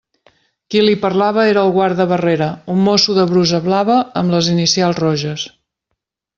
Qui li parlava era el guardabarrera, un mosso de brusa blava amb les inicials roges.